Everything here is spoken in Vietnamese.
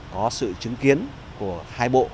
có sự chứng kiến của hai bộ